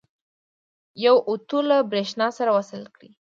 یو اوتو له برېښنا سره وصل کړئ.